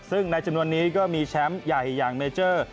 ซึ่งในจำนวนนี้ก็มีแชมป์ใหญ่อย่างเมเจอร์